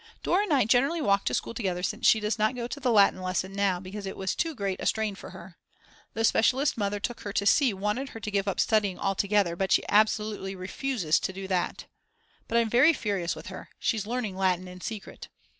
Dora and I generally walk to school together since she does not go to the Latin lesson now because it was too great a strain for her. The specialist Mother took her to see wanted her to give up studying altogether, but she absolutely refuses to do that. But I'm very furious with her; she's learning Latin in secret.